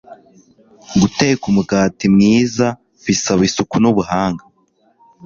Guteka umugati mwiza bisaba isuku nubuhanga